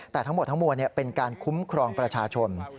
แต่ทั้งหมดทั้งมวลเป็นการคุ้มครองประชาชน